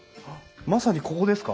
まさにここですか？